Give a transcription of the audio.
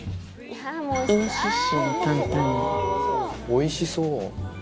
「おいしそう」